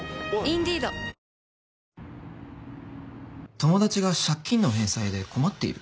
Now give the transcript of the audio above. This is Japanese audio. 友達が借金の返済で困っている？